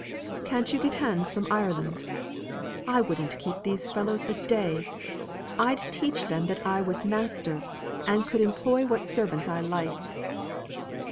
"Can't you get hands from Ireland? I wouldn't keep these fellows a day. I'd teach them that I was master, and could employ what servants I liked."